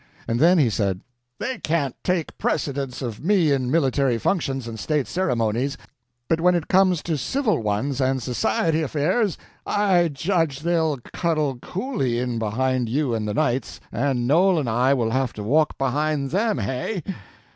And then he said: "They can't take precedence of me in military functions and state ceremonies, but when it comes to civil ones and society affairs I judge they'll cuddle coolly in behind you and the knights, and Noel and I will have to walk behind them—hey?"